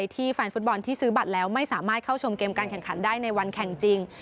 แฟนฟุตบอลที่ซื้อบัตรแล้วไม่สามารถเข้าชมเกมการแข่งขันได้ในวันแข่งจริง